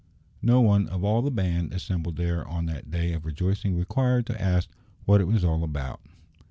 No one of all the band assembled there on that day of rejoicing required to ask what it was all about.